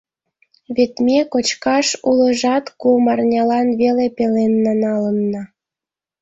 Вет ме кочкаш улыжат кум арнялан веле пеленна налынна.